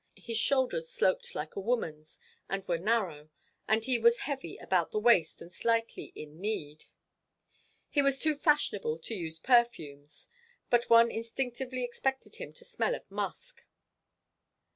His shoulders sloped like a woman's, and were narrow, and he was heavy about the waist and slightly in kneed. He was too fashionable to use perfumes, but one instinctively expected him to smell of musk.